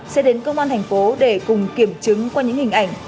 sẽ đến công an thành phố để cùng kiểm chứng qua những hình ảnh